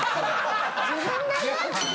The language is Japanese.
自分で？